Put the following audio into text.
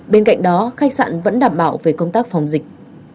bên cạnh đó khách sạn vẫn đảm bảo về công tác phòng dịch